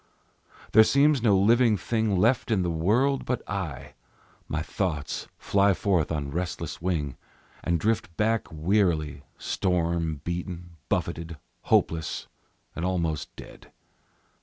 There seems no living thing Left in the world but I; My thoughts fly forth on restless wing, And drift back wearily, Storm beaten, buffeted, hopeless, and almost dead.